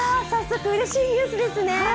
早速、うれしいニュースですね。